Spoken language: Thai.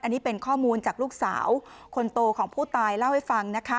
อันนี้เป็นข้อมูลจากลูกสาวคนโตของผู้ตายเล่าให้ฟังนะคะ